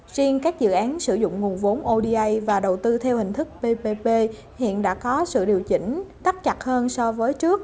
riêng các dự án sử dụng nguồn vốn oda và đầu tư theo hình thức ppp hiện đã có sự điều chỉnh tắt chặt hơn so với trước